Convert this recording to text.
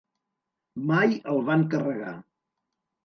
Mai el van carregar.